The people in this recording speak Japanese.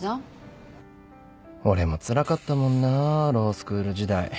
俺もつらかったもんなぁロースクール時代。